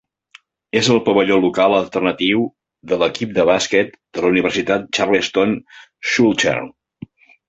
És el pavelló local alternatiu de l'equip de bàsquet de la Universitat Charleston Southern.